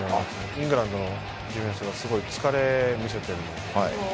イングランドのディフェンスがすごい疲れを見せているので。